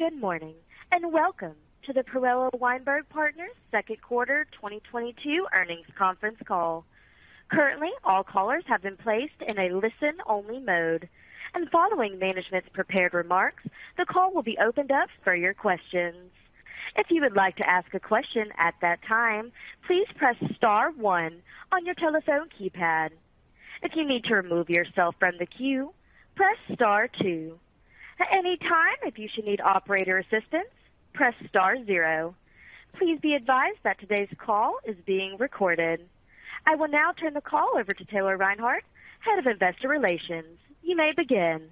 Good morning, and welcome to the Perella Weinberg Partners second quarter 2022 earnings conference call. Currently, all callers have been placed in a listen-only mode. Following management's prepared remarks, the call will be opened up for your questions. If you would like to ask a question at that time, please press star one on your telephone keypad. If you need to remove yourself from the queue, press star two. At any time, if you should need operator assistance, press star zero. Please be advised that today's call is being recorded. I will now turn the call over to Taylor Reinhardt, Head of Investor Relations. You may begin.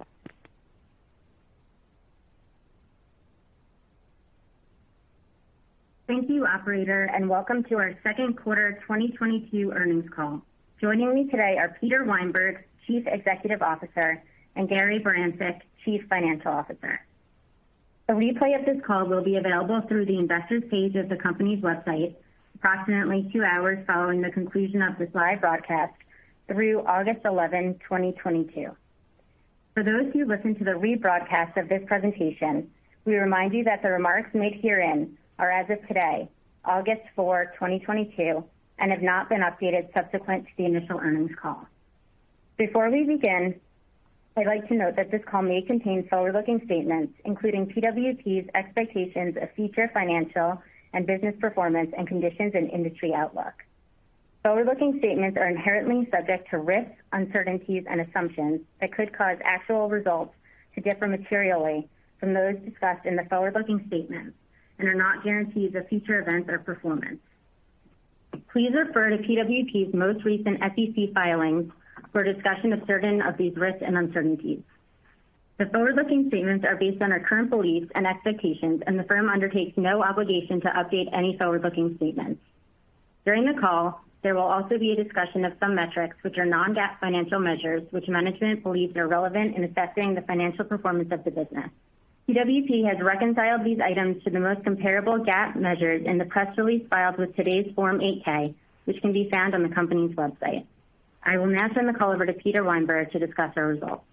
Thank you, operator, and welcome to our second quarter 2022 earnings call. Joining me today are Peter Weinberg, Chief Executive Officer, and Gary Barancik, Chief Financial Officer. A replay of this call will be available through the investor's page of the company's website approximately two hours following the conclusion of this live broadcast through August 11, 2022. For those of you listening to the rebroadcast of this presentation, we remind you that the remarks made herein are as of today, August 4, 2022, and have not been updated subsequent to the initial earnings call. Before we begin, I'd like to note that this call may contain forward-looking statements, including PWP's expectations of future financial and business performance and conditions and industry outlook. Forward-looking statements are inherently subject to risks, uncertainties, and assumptions that could cause actual results to differ materially from those discussed in the forward-looking statements and are not guarantees of future events or performance. Please refer to PWP's most recent SEC filings for a discussion of certain of these risks and uncertainties. The forward-looking statements are based on our current beliefs and expectations, and the firm undertakes no obligation to update any forward-looking statements. During the call, there will also be a discussion of some metrics which are non-GAAP financial measures which management believes are relevant in assessing the financial performance of the business. PWP has reconciled these items to the most comparable GAAP measures in the press release filed with today's Form 8-K, which can be found on the company's website. I will now turn the call over to Peter Weinberg to discuss our results.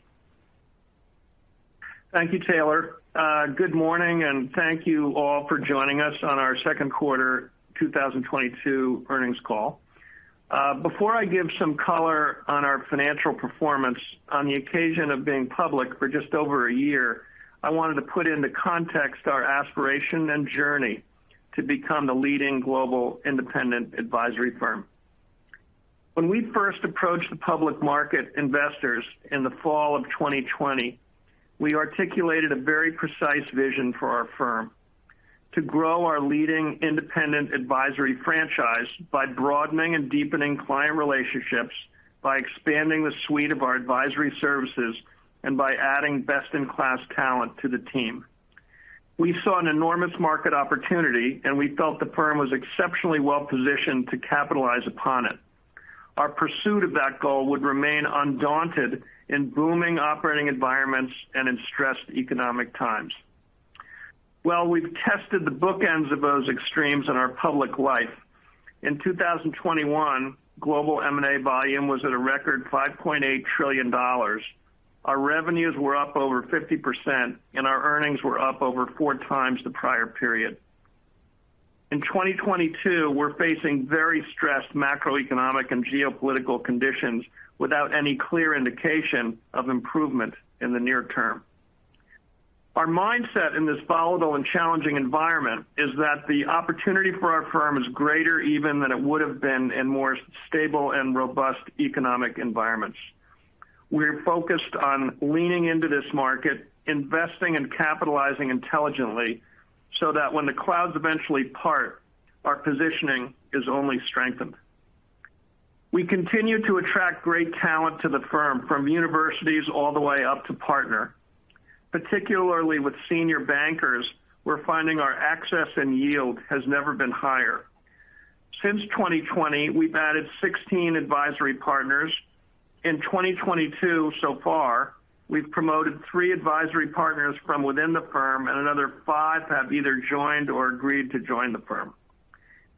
Thank you, Taylor. Good morning, and thank you all for joining us on our second quarter 2022 earnings call. Before I give some color on our financial performance, on the occasion of being public for just over a year, I wanted to put into context our aspiration and journey to become the leading global independent advisory firm. When we first approached the public market investors in the fall of 2020, we articulated a very precise vision for our firm to grow our leading independent advisory franchise by broadening and deepening client relationships, by expanding the suite of our advisory services, and by adding best-in-class talent to the team. We saw an enormous market opportunity, and we felt the firm was exceptionally well-positioned to capitalize upon it. Our pursuit of that goal would remain undaunted in booming operating environments and in stressed economic times. Well, we've tested the bookends of those extremes in our public life. In 2021, global M&A volume was at a record $5.8 trillion. Our revenues were up over 50%, and our earnings were up over 4x the prior period. In 2022, we're facing very stressed macroeconomic and geopolitical conditions without any clear indication of improvement in the near term. Our mindset in this volatile and challenging environment is that the opportunity for our firm is greater even than it would've been in more stable and robust economic environments. We're focused on leaning into this market, investing and capitalizing intelligently so that when the clouds eventually part, our positioning is only strengthened. We continue to attract great talent to the firm from universities all the way up to partner. Particularly with senior bankers, we're finding our access and yield has never been higher. Since 2020, we've added 16 advisory partners. In 2022 so far, we've promoted three advisory partners from within the firm, and another five have either joined or agreed to join the firm.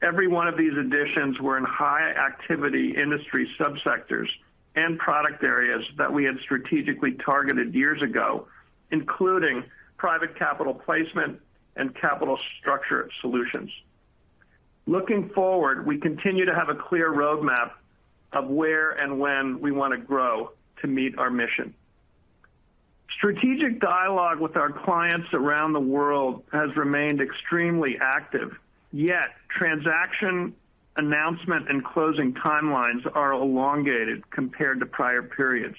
Every one of these additions were in high-activity industry subsectors and product areas that we had strategically targeted years ago, including private capital placement and capital structure solutions. Looking forward, we continue to have a clear roadmap of where and when we wanna grow to meet our mission. Strategic dialogue with our clients around the world has remained extremely active, yet transaction announcement and closing timelines are elongated compared to prior periods.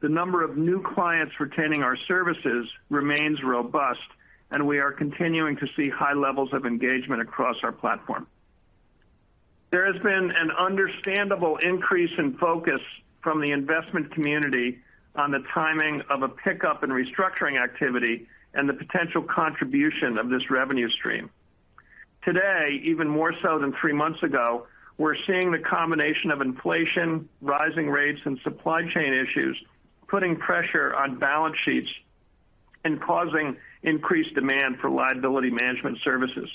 The number of new clients retaining our services remains robust, and we are continuing to see high levels of engagement across our platform. There has been an understandable increase in focus from the investment community on the timing of a pickup in restructuring activity and the potential contribution of this revenue stream. Today, even more so than three months ago, we're seeing the combination of inflation, rising rates, and supply chain issues, putting pressure on balance sheets and causing increased demand for liability management services.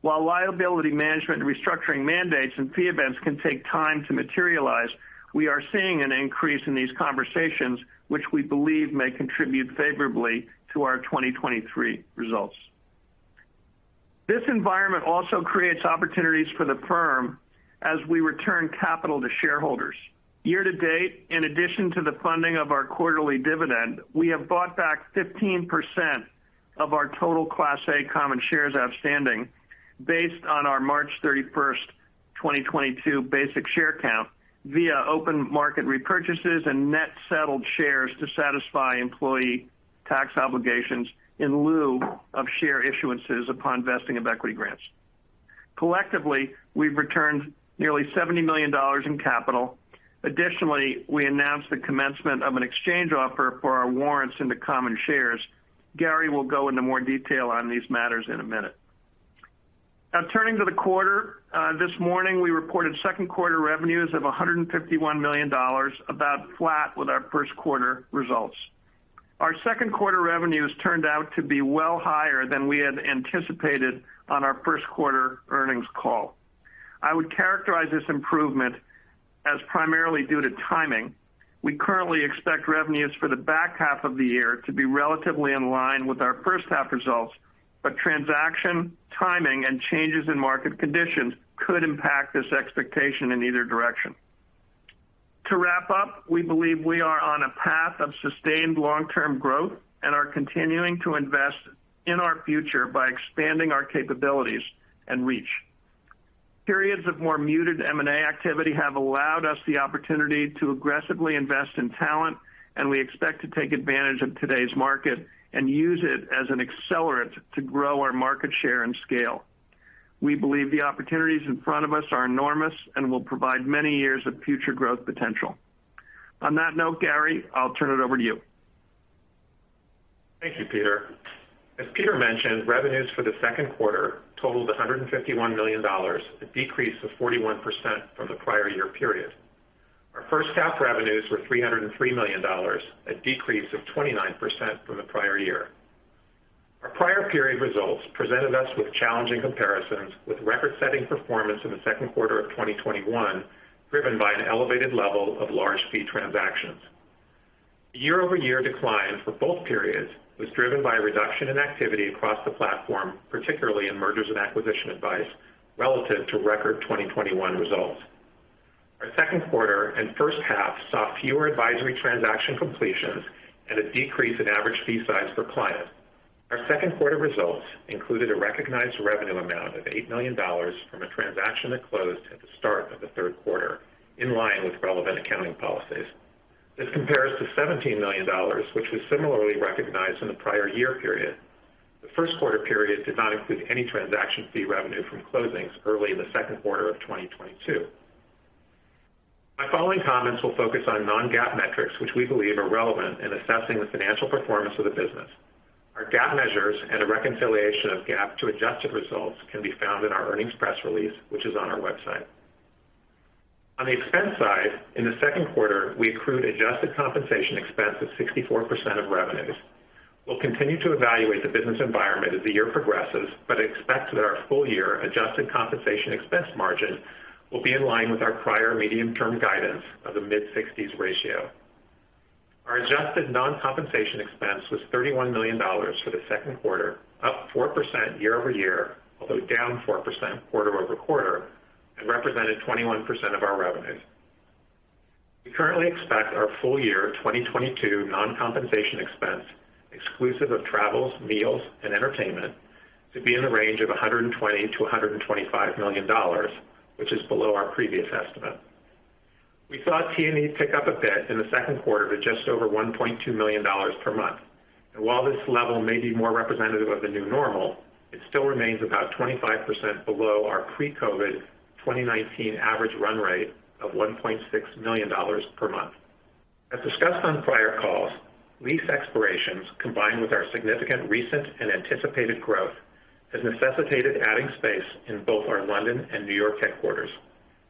While liability management and restructuring mandates and fee events can take time to materialize, we are seeing an increase in these conversations, which we believe may contribute favorably to our 2023 results. This environment also creates opportunities for the firm as we return capital to shareholders. Year to date, in addition to the funding of our quarterly dividend, we have bought back 15% of our total Class A common shares outstanding based on our March 31st, 2022 basic share count via open market repurchases and net settled shares to satisfy employee tax obligations in lieu of share issuances upon vesting of equity grants. Collectively, we've returned nearly $70 million in capital. Additionally, we announced the commencement of an exchange offer for our warrants into common shares. Gary will go into more detail on these matters in a minute. Now turning to the quarter, this morning we reported second quarter revenues of $151 million, about flat with our first quarter results. Our second quarter revenues turned out to be well higher than we had anticipated on our first quarter earnings call. I would characterize this improvement as primarily due to timing. We currently expect revenues for the back half of the year to be relatively in line with our first half results, but transaction timing and changes in market conditions could impact this expectation in either direction. To wrap up, we believe we are on a path of sustained long-term growth and are continuing to invest in our future by expanding our capabilities and reach. Periods of more muted M&A activity have allowed us the opportunity to aggressively invest in talent, and we expect to take advantage of today's market and use it as an accelerant to grow our market share and scale. We believe the opportunities in front of us are enormous and will provide many years of future growth potential. On that note, Gary, I'll turn it over to you. Thank you, Peter. As Peter mentioned, revenues for the second quarter totaled $151 million, a decrease of 41% from the prior year period. Our first half revenues were $303 million, a decrease of 29% from the prior year. Our prior period results presented us with challenging comparisons with record-setting performance in the second quarter of 2021, driven by an elevated level of large fee transactions. Year-over-year decline for both periods was driven by a reduction in activity across the platform, particularly in mergers and acquisitions advice relative to record 2021 results. Our second quarter and first half saw fewer advisory transaction completions and a decrease in average fee size per client. Our second quarter results included a recognized revenue amount of $8 million from a transaction that closed at the start of the third quarter, in line with relevant accounting policies. This compares to $17 million, which was similarly recognized in the prior year period. The first quarter period did not include any transaction fee revenue from closings early in the second quarter of 2022. My following comments will focus on non-GAAP metrics, which we believe are relevant in assessing the financial performance of the business. Our GAAP measures and a reconciliation of GAAP to adjusted results can be found in our earnings press release, which is on our website. On the expense side, in the second quarter, we accrued adjusted compensation expense of 64% of revenues. We'll continue to evaluate the business environment as the year progresses, but expect that our full year adjusted compensation expense margin will be in line with our prior medium-term guidance of the mid-60s ratio. Our adjusted non-compensation expense was $31 million for the second quarter, up 4% year-over-year, although down 4% quarter-over-quarter and represented 21% of our revenues. We currently expect our full year 2022 non-compensation expense exclusive of travels, meals, and entertainment to be in the range of $120 million-$125 million, which is below our previous estimate. We saw T&E pick up a bit in the second quarter to just over $1.2 million per month. While this level may be more representative of the new normal, it still remains about 25% below our pre-COVID 2019 average run rate of $1.6 million per month. As discussed on prior calls, lease expirations, combined with our significant recent and anticipated growth, has necessitated adding space in both our London and New York headquarters.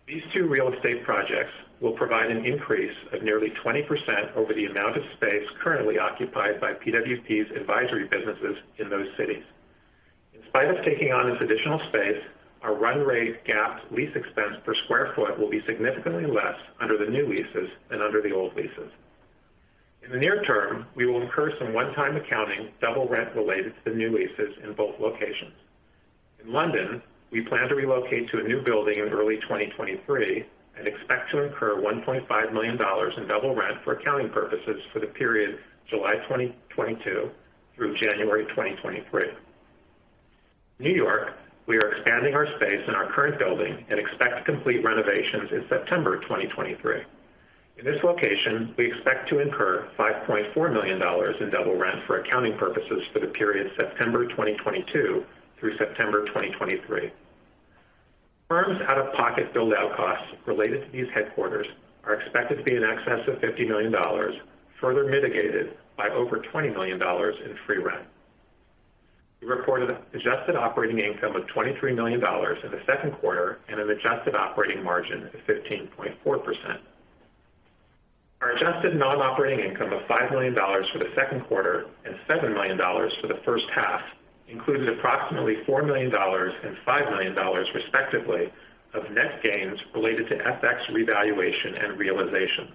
These two real estate projects will provide an increase of nearly 20% over the amount of space currently occupied by PWP's advisory businesses in those cities. In spite of taking on this additional space, our run rate GAAP lease expense per square foot will be significantly less under the new leases than under the old leases. In the near term, we will incur some one-time accounting double rent related to the new leases in both locations. In London, we plan to relocate to a new building in early 2023 and expect to incur $1.5 million in double rent for accounting purposes for the period July 2022 through January 2023. In New York, we are expanding our space in our current building and expect to complete renovations in September 2023. In this location, we expect to incur $5.4 million in double rent for accounting purposes for the period September 2022 through September 2023. Firm's out-of-pocket build out costs related to these headquarters are expected to be in excess of $50 million, further mitigated by over $20 million in free rent. We reported adjusted operating income of $23 million in the second quarter and an adjusted operating margin of 15.4%. Our adjusted non-operating income of $5 million for the second quarter and $7 million for the first half includes approximately $4 million and $5 million, respectively, of net gains related to FX revaluation and realizations.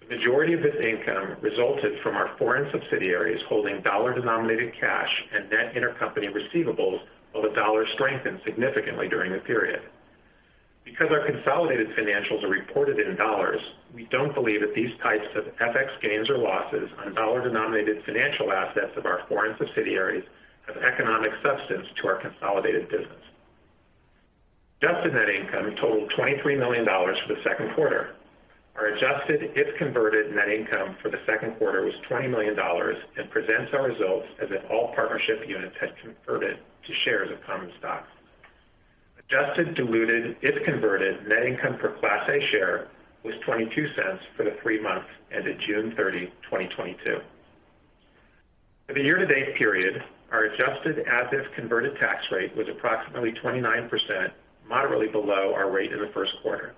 The majority of this income resulted from our foreign subsidiaries holding dollar-denominated cash and net intercompany receivables, while the dollar strengthened significantly during the period. Because our consolidated financials are reported in dollars, we don't believe that these types of FX gains or losses on dollar-denominated financial assets of our foreign subsidiaries have economic substance to our consolidated business. Adjusted net income totaled $23 million for the second quarter. Our adjusted if-converted net income for the second quarter was $20 million and presents our results as if all partnership units had converted to shares of common stock. Adjusted, diluted, if-converted net income per Class A share was $0.22 for the three months ended June 30, 2022. For the year-to-date period, our adjusted as-if converted tax rate was approximately 29%, moderately below our rate in the first quarter.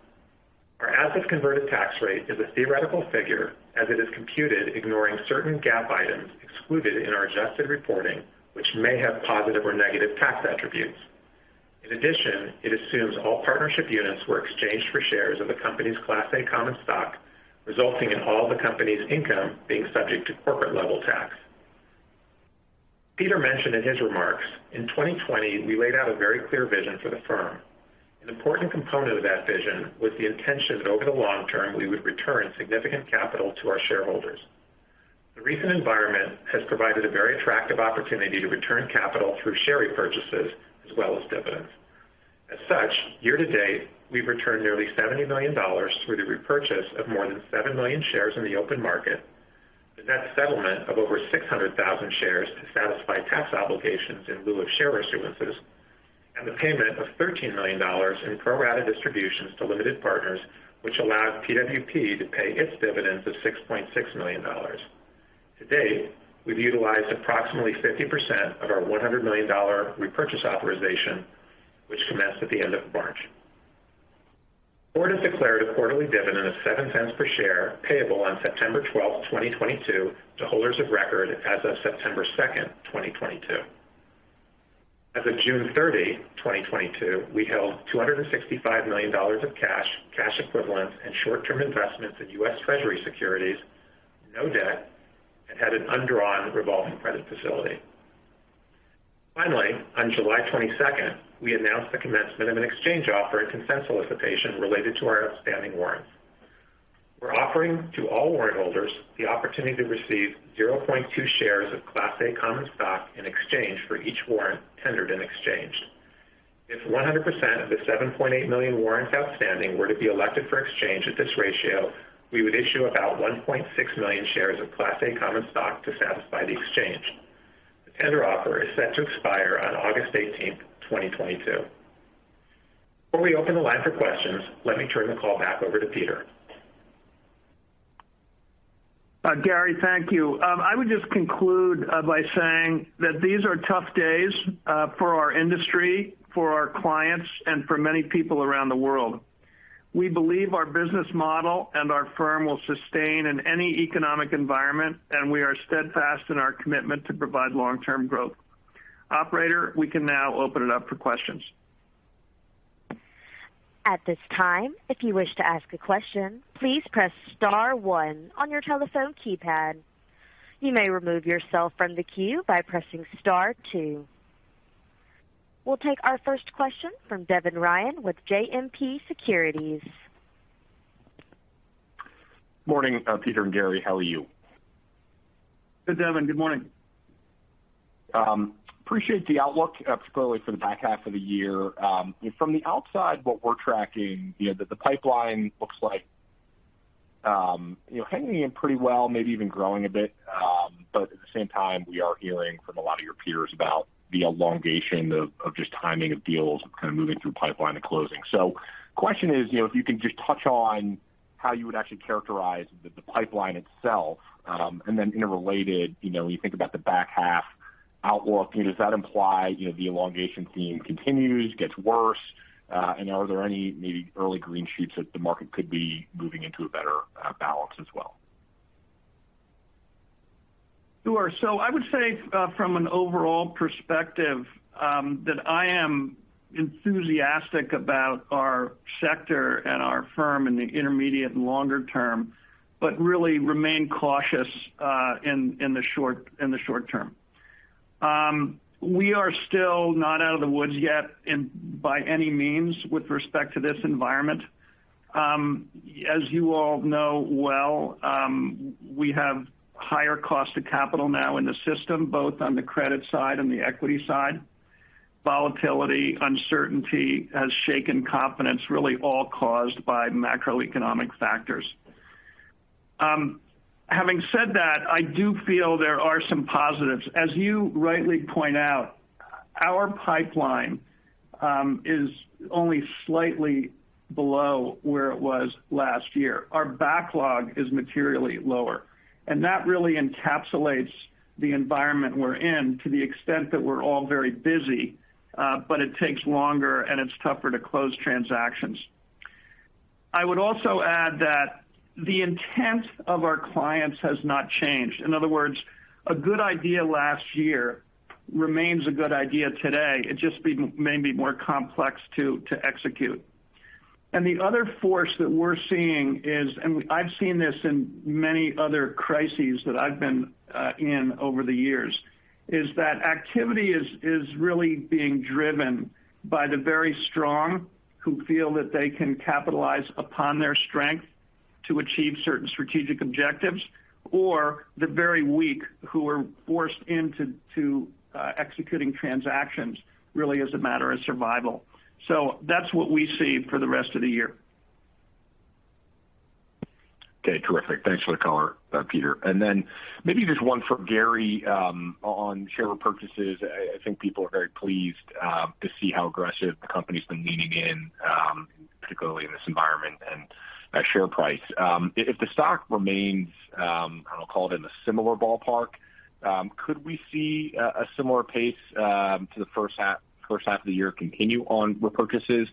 Our as-if converted tax rate is a theoretical figure, as it is computed ignoring certain GAAP items excluded in our adjusted reporting, which may have positive or negative tax attributes. In addition, it assumes all partnership units were exchanged for shares of the company's Class A common stock, resulting in all the company's income being subject to corporate-level tax. Peter mentioned in his remarks, in 2020, we laid out a very clear vision for the firm. An important component of that vision was the intention that over the long term, we would return significant capital to our shareholders. The recent environment has provided a very attractive opportunity to return capital through share repurchases as well as dividends. As such, year to date, we've returned nearly $70 million through the repurchase of more than 7 million shares in the open market, the net settlement of over 600,000 shares to satisfy tax obligations in lieu of share issuances, and the payment of $13 million in pro-rata distributions to limited partners, which allowed PWP to pay its dividends of $6.6 million. To date, we've utilized approximately 50% of our $100 million repurchase authorization, which commenced at the end of March. The board has declared a quarterly dividend of $0.07 per share payable on September 12, 2022 to holders of record as of September 2nd, 2022. As of June 30, 2022, we held $265 million of cash equivalents and short-term investments in U.S. Treasury securities, no debt, and had an undrawn revolving credit facility. Finally, on July 22, we announced the commencement of an exchange offer and consent solicitation related to our outstanding warrants. We're offering to all warrant holders the opportunity to receive 0.2 shares of Class A common stock in exchange for each warrant tendered in exchange. If 100% of the 7.8 million warrants outstanding were to be elected for exchange at this ratio, we would issue about 1.6 million shares of Class A common stock to satisfy the exchange. The tender offer is set to expire on August 18, 2022. Before we open the line for questions, let me turn the call back over to Peter. Gary, thank you. I would just conclude by saying that these are tough days for our industry, for our clients, and for many people around the world. We believe our business model and our firm will sustain in any economic environment, and we are steadfast in our commitment to provide long-term growth. Operator, we can now open it up for questions. At this time, if you wish to ask a question, please press star one on your telephone keypad. You may remove yourself from the queue by pressing star two. We'll take our first question from Devin Ryan with JMP Securities. Morning, Peter and Gary. How are you? Good, Devin. Good morning. Appreciate the outlook, particularly for the back half of the year. From the outside, what we're tracking, you know, the pipeline looks like, you know, hanging in pretty well, maybe even growing a bit. At the same time, we are hearing from a lot of your peers about the elongation of just timing of deals kind of moving through pipeline to closing. Question is, you know, if you can just touch on how you would actually characterize the pipeline itself. Interrelated, you know, when you think about the back half outlook, you know, does that imply, you know, the elongation theme continues, gets worse? Are there any maybe early green shoots that the market could be moving into a better balance as well? Sure. I would say, from an overall perspective, that I am enthusiastic about our sector and our firm in the intermediate and longer term, but really remain cautious in the short term. We are still not out of the woods yet by any means with respect to this environment. As you all know well, we have higher cost of capital now in the system, both on the credit side and the equity side. Volatility, uncertainty has shaken confidence, really all caused by macroeconomic factors. Having said that, I do feel there are some positives. As you rightly point out, our pipeline is only slightly below where it was last year. Our backlog is materially lower. That really encapsulates the environment we're in to the extent that we're all very busy, but it takes longer and it's tougher to close transactions. I would also add that the intent of our clients has not changed. In other words, a good idea last year remains a good idea today. It just may be more complex to execute. The other force that we're seeing is, and I've seen this in many other crises that I've been in over the years, is that activity is really being driven by the very strong who feel that they can capitalize upon their strength to achieve certain strategic objectives, or the very weak who are forced into executing transactions really as a matter of survival. That's what we see for the rest of the year. Okay, terrific. Thanks for the color, Peter. Maybe just one for Gary on share repurchases. I think people are very pleased to see how aggressive the company's been leaning in, particularly in this environment and that share price. If the stock remains in a similar ballpark, could we see a similar pace to the first half of the year continue on repurchases?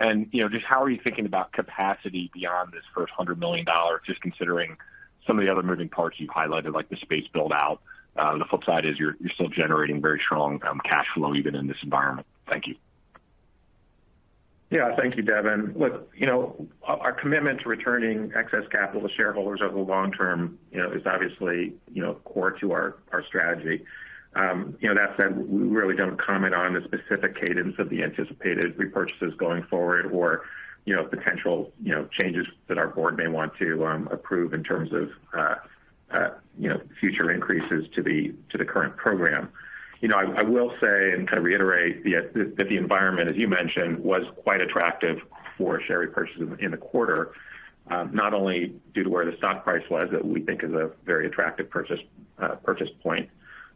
You know, just how are you thinking about capacity beyond this first $100 million, just considering some of the other moving parts you've highlighted, like the space build out? The flip side is you're still generating very strong cash flow even in this environment. Thank you. Yeah. Thank you, Devin. Look, you know, our commitment to returning excess capital to shareholders over the long term, you know, is obviously, you know, core to our strategy. You know, that said, we really don't comment on the specific cadence of the anticipated repurchases going forward or, you know, potential, you know, changes that our board may want to approve in terms of, you know, future increases to the current program. You know, I will say and kind of reiterate that the environment, as you mentioned, was quite attractive for share repurchase in the quarter, not only due to where the stock price was that we think is a very attractive purchase point,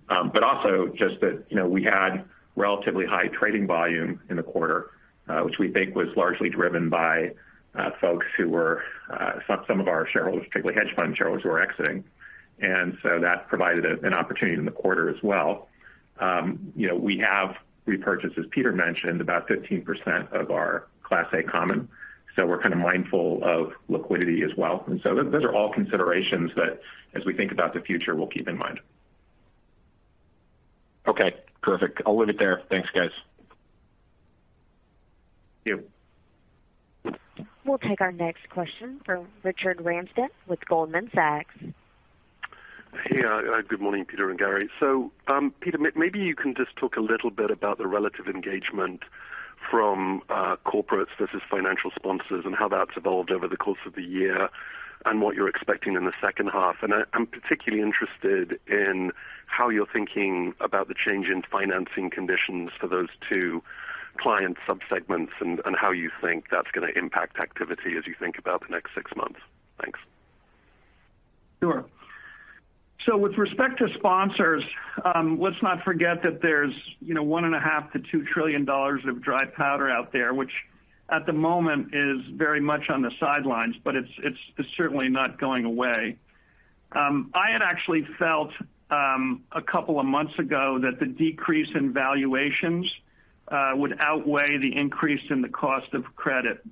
but also just that, you know, we had relatively high trading volume in the quarter, which we think was largely driven by folks who were some of our shareholders, particularly hedge fund shareholders who are exiting. That provided an opportunity in the quarter as well. You know, we have repurchased, as Peter mentioned, about 15% of our Class A common, so we're kind of mindful of liquidity as well. Those are all considerations that as we think about the future, we'll keep in mind. Okay, perfect. I'll leave it there. Thanks, guys. Thank you. We'll take our next question from Richard Ramsden with Goldman Sachs. Hey, good morning, Peter and Gary. Peter, maybe you can just talk a little bit about the relative engagement from corporates versus financial sponsors and how that's evolved over the course of the year and what you're expecting in the second half. I'm particularly interested in how you're thinking about the change in financing conditions for those two client subsegments and how you think that's gonna impact activity as you think about the next six months. Thanks. Sure. With respect to sponsors, let's not forget that there's, you know, $1.5 trillion-$2 trillion of dry powder out there, which at the moment is very much on the sidelines, but it's certainly not going away. I had actually felt a couple of months ago that the decrease in valuations would outweigh the increase in the cost of credit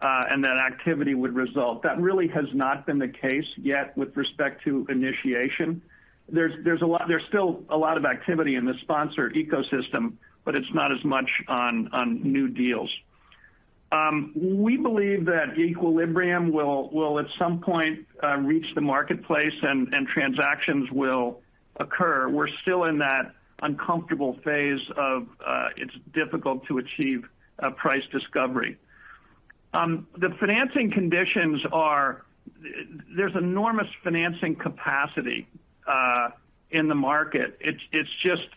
and that activity would result. That really has not been the case yet with respect to initiation. There's a lot of activity in the sponsor ecosystem, but it's not as much on new deals. We believe that equilibrium will at some point reach the marketplace and transactions will occur. We're still in that uncomfortable phase of, it's difficult to achieve price discovery. There's enormous financing capacity in the market. It's just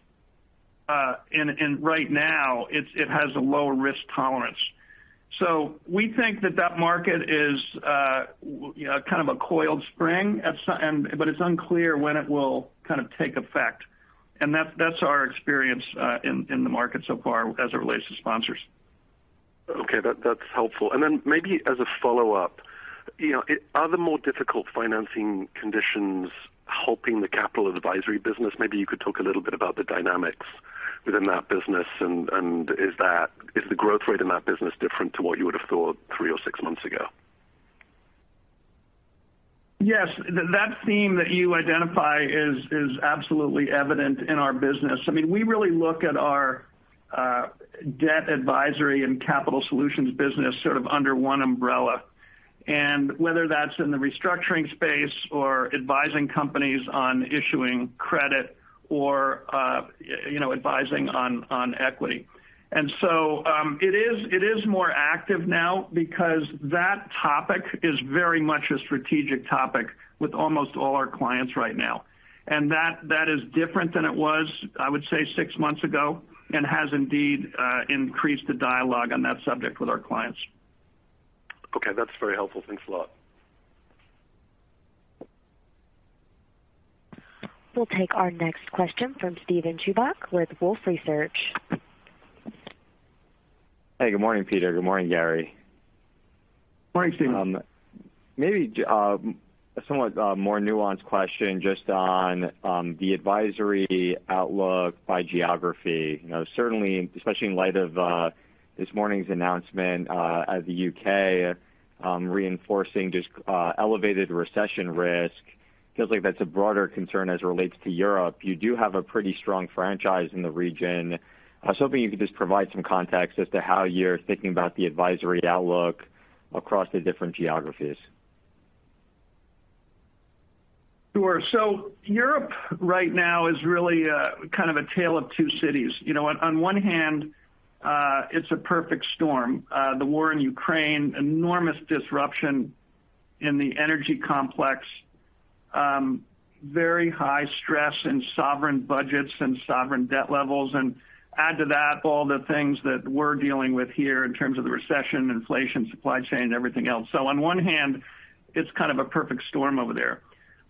and right now it has a low risk tolerance. We think that market is, you know, kind of a coiled spring but it's unclear when it will kind of take effect. That's our experience in the market so far as it relates to sponsors. Okay. That's helpful. Maybe as a follow-up, you know, are the more difficult financing conditions helping the capital advisory business? Maybe you could talk a little bit about the dynamics within that business. Is the growth rate in that business different to what you would have thought three or six months ago? Yes. That theme that you identify is absolutely evident in our business. I mean, we really look at our debt advisory and capital structure solutions business sort of under one umbrella. Whether that's in the restructuring space or advising companies on issuing credit or, you know, advising on equity. It is more active now because that topic is very much a strategic topic with almost all our clients right now. That is different than it was, I would say, six months ago and has indeed increased the dialogue on that subject with our clients. Okay. That's very helpful. Thanks a lot. We'll take our next question from Steven Chubak with Wolfe Research. Hey, good morning, Peter. Good morning, Gary. Morning, Steve. Maybe somewhat more nuanced question just on the advisory outlook by geography. You know, certainly, especially in light of this morning's announcement of the U.K. reinforcing just elevated recession risk, feels like that's a broader concern as it relates to Europe. You do have a pretty strong franchise in the region. I was hoping you could just provide some context as to how you're thinking about the advisory outlook across the different geographies. Europe right now is really kind of a tale of two cities. You know what? On one hand, it's a perfect storm. The war in Ukraine, enormous disruption in the energy complex, very high stress in sovereign budgets and sovereign debt levels. Add to that all the things that we're dealing with here in terms of the recession, inflation, supply chain, everything else. On one hand, it's kind of a perfect storm over there.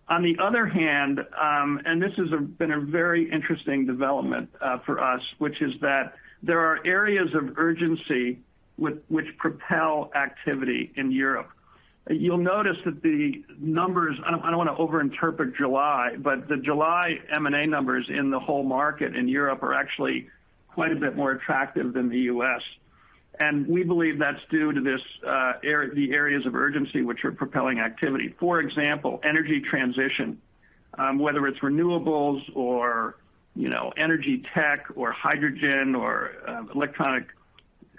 On the other hand, this has been a very interesting development for us, which is that there are areas of urgency which propel activity in Europe. You'll notice that the numbers. I don't wanna overinterpret July, but the July M&A numbers in the whole market in Europe are actually quite a bit more attractive than the U.S. We believe that's due to the areas of urgency which are propelling activity. For example, energy transition, whether it's renewables or, you know, energy tech or hydrogen or electronic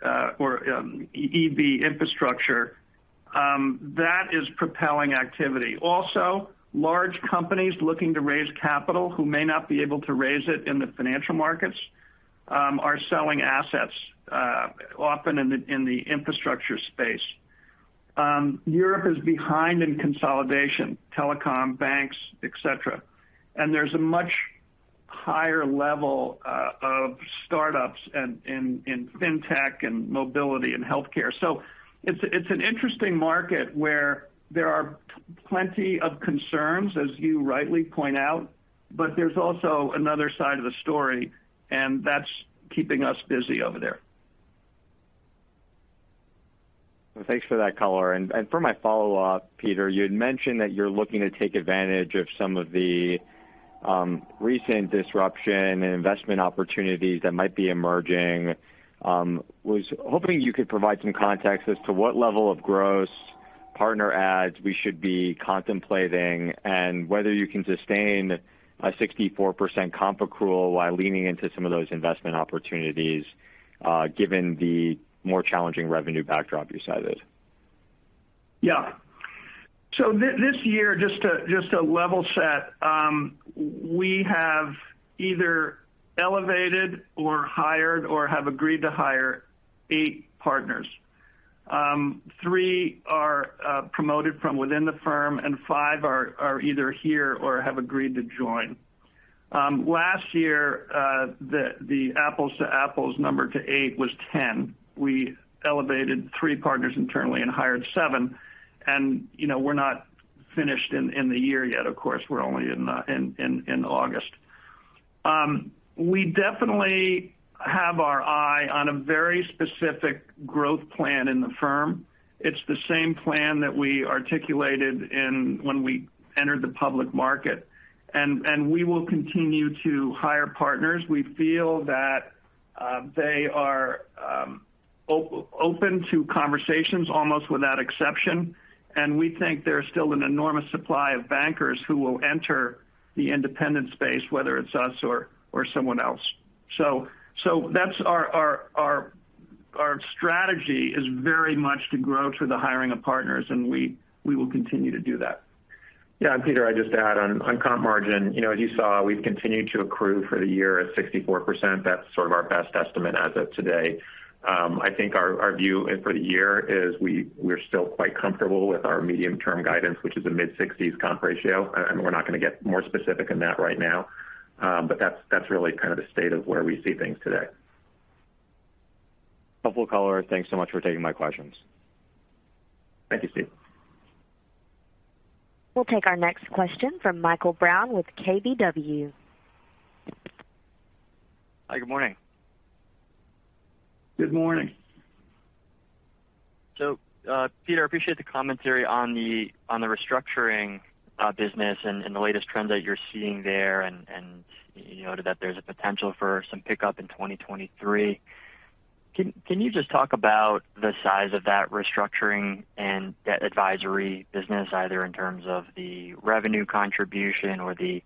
or EV infrastructure, that is propelling activity. Also, large companies looking to raise capital who may not be able to raise it in the financial markets are selling assets, often in the infrastructure space. Europe is behind in consolidation, telecom, banks, et cetera. There's a much higher level of startups and in fintech and mobility and healthcare. It's an interesting market where there are plenty of concerns, as you rightly point out, but there's also another side of the story, and that's keeping us busy over there. Thanks for that color. For my follow-up, Peter, you had mentioned that you're looking to take advantage of some of the recent disruption and investment opportunities that might be emerging. Was hoping you could provide some context as to what level of gross partner adds we should be contemplating and whether you can sustain a 64% comp accrual while leaning into some of those investment opportunities, given the more challenging revenue backdrop you cited. This year, just to level set, we have either elevated or hired or have agreed to hire eight partners. Three are promoted from within the firm, and five are either here or have agreed to join. Last year, the apples to apples number to eight was 10. We elevated three partners internally and hired seven. You know, we're not finished in the year yet, of course. We're only in August. We definitely have our eye on a very specific growth plan in the firm. It's the same plan that we articulated in when we entered the public market. We will continue to hire partners. We feel that they are open to conversations almost without exception. We think there's still an enormous supply of bankers who will enter the independent space, whether it's us or someone else. That's our strategy is very much to grow through the hiring of partners, and we will continue to do that. Peter, I'll just add on comp margin. You know, as you saw, we've continued to accrue for the year at 64%. That's sort of our best estimate as of today. I think our view and for the year is we're still quite comfortable with our medium-term guidance, which is a mid-sixties comp ratio. We're not gonna get more specific in that right now. That's really kind of the state of where we see things today. Helpful color. Thanks so much for taking my questions. Thank you, Steve. We'll take our next question from Michael Brown with KBW. Hi, good morning. Good morning. Peter, I appreciate the commentary on the restructuring business and the latest trends that you're seeing there and you know that there's a potential for some pickup in 2023. Can you just talk about the size of that restructuring and debt advisory business, either in terms of the revenue contribution or the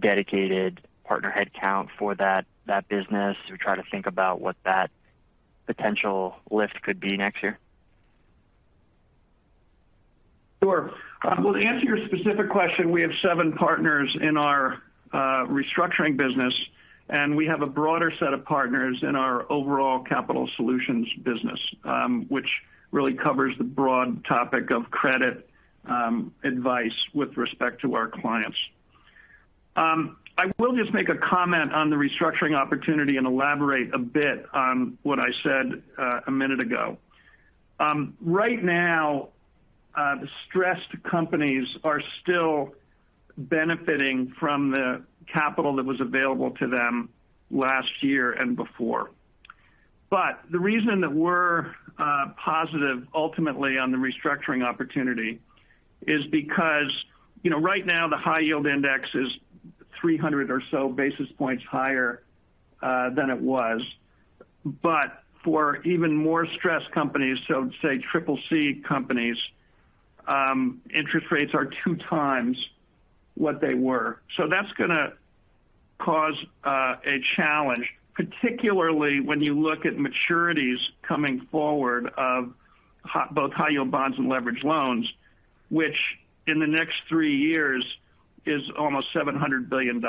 dedicated partner headcount for that business to try to think about what that potential lift could be next year? Sure. Well, to answer your specific question, we have seven partners in our restructuring business, and we have a broader set of partners in our overall capital solutions business, which really covers the broad topic of credit advice with respect to our clients. I will just make a comment on the restructuring opportunity and elaborate a bit on what I said a minute ago. Right now, the stressed companies are still benefiting from the capital that was available to them last year and before. The reason that we're positive ultimately on the restructuring opportunity is because, you know, right now the High Yield Index is 300 or so basis points higher than it was. For even more stressed companies, so say Triple C companies, interest rates are 2x what they were. That's gonna cause a challenge, particularly when you look at maturities coming forward of both high yield bonds and leveraged loans, which in the next three years is almost $700 billion.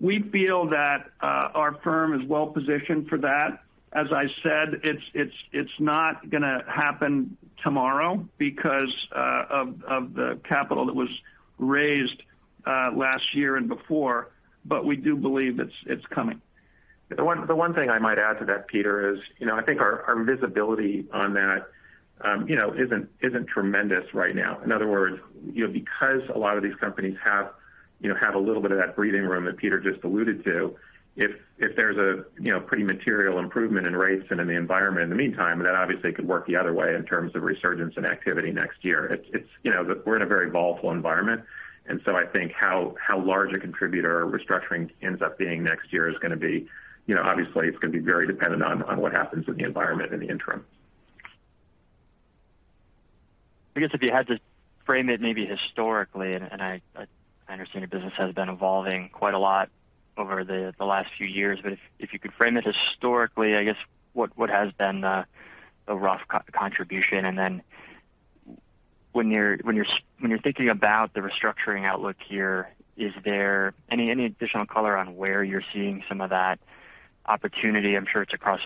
We feel that our firm is well-positioned for that. As I said, it's not gonna happen tomorrow because of the capital that was raised last year and before, but we do believe it's coming. The one thing I might add to that, Peter, is, you know, I think our visibility on that, you know, isn't tremendous right now. In other words, you know, because a lot of these companies have a little bit of that breathing room that Peter just alluded to, if there's a, you know, pretty material improvement in rates and in the environment in the meantime, then that obviously could work the other way in terms of resurgence and activity next year. It's. You know, we're in a very volatile environment, and so I think how large a contributor restructuring ends up being next year is gonna be, you know, obviously it's gonna be very dependent on what happens in the environment in the interim. I guess if you had to frame it maybe historically, I understand your business has been evolving quite a lot over the last few years. If you could frame it historically, I guess what has been the rough core contribution? When you're thinking about the restructuring outlook here, is there any additional color on where you're seeing some of that opportunity? I'm sure it's across,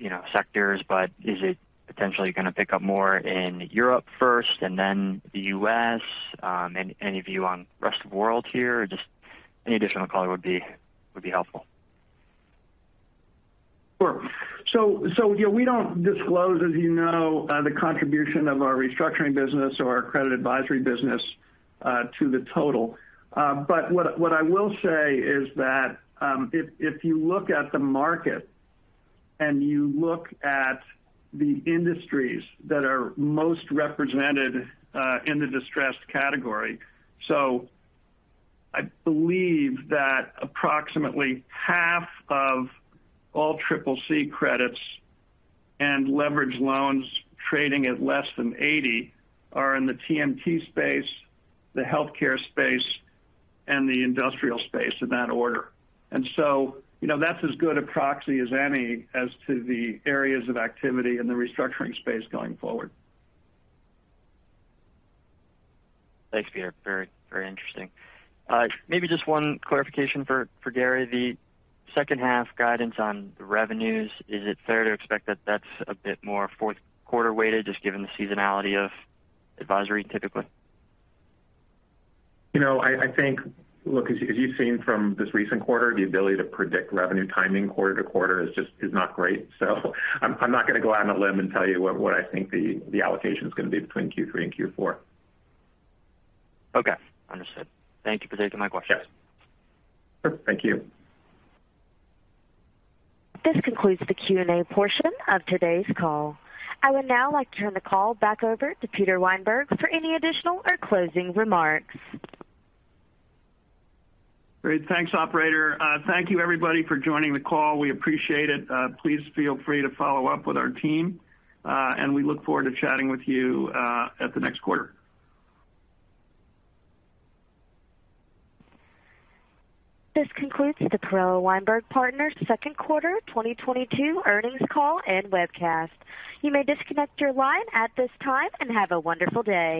you know, sectors, but is it potentially gonna pick up more in Europe first and then the U.S.? Any view on rest of world here? Just any additional color would be helpful. Sure. Yeah, we don't disclose, as you know, the contribution of our restructuring business or our credit advisory business to the total. What I will say is that if you look at the market and you look at the industries that are most represented in the distressed category. I believe that approximately half of all Triple C credits and leveraged loans trading at less than 80 are in the TMT space, the healthcare space, and the industrial space in that order. You know, that's as good a proxy as any as to the areas of activity in the restructuring space going forward. Thanks, Peter. Very, very interesting. Maybe just one clarification for Gary. The second half guidance on the revenues, is it fair to expect that that's a bit more fourth quarter weighted, just given the seasonality of advisory typically? You know, look, as you've seen from this recent quarter, the ability to predict revenue timing quarter to quarter is just not great. I'm not gonna go out on a limb and tell you what I think the allocation's gonna be between Q3 and Q4. Okay. Understood. Thank you for taking my questions. Sure. Thank you. This concludes the Q&A portion of today's call. I would now like to turn the call back over to Peter Weinberg for any additional or closing remarks. Great. Thanks, operator. Thank you everybody for joining the call. We appreciate it. Please feel free to follow up with our team. We look forward to chatting with you at the next quarter. This concludes the Perella Weinberg Partners second quarter 2022 earnings call and webcast. You may disconnect your line at this time, and have a wonderful day.